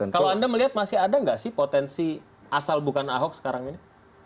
kalau anda melihat masih ada nggak sih potensi asal bukan ahok sekarang ini